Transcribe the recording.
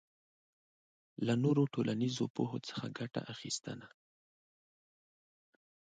له نورو ټولنیزو پوهو څخه ګټه اخبستنه